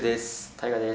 大翔です。